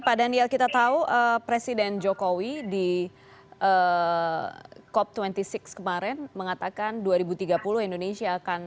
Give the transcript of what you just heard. pak daniel kita tahu presiden jokowi di cop dua puluh enam kemarin mengatakan dua ribu tiga puluh indonesia akan